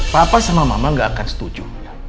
papa sama mama gak akan setuju